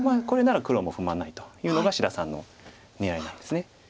これなら黒も不満ないというのが志田さんの狙いなんです。